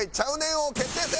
王決定戦！